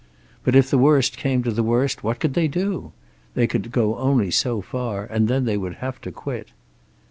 But if the worst came to the worst, what could they do? They could go only so far, and then they would have to quit.